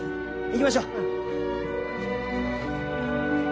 行きましょう。